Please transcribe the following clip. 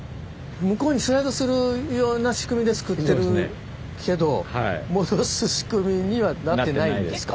向こうにスライドするような仕組みで造ってるけど戻す仕組みにはなってないんですか？